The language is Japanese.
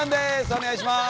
お願いします。